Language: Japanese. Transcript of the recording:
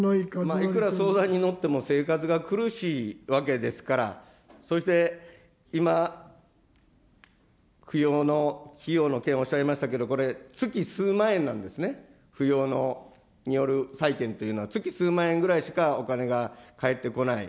いくら相談乗っても生活が苦しいわけですから、そしてそして今、扶養の件、おっしゃいましたけど、これ、月数万円なんですね、扶養による債権というのは、月数万円ぐらいしかお金が返ってこない。